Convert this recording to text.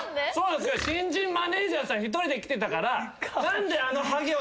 新人マネージャーさん１人で来てたから。